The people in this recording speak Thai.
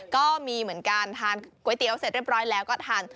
ก็มีเหมือนกันทานก๋วยเตี๋ยวเสร็จเรียบร้อยแล้วก็ทาน